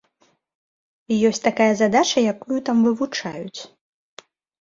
Ёсць такая задача, якую там вывучаюць.